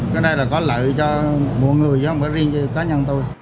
cái này là có lợi cho mọi người chứ không phải riêng như cá nhân tôi